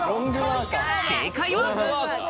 正解は。